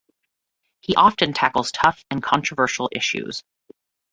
He often tackles tough and controversial issues.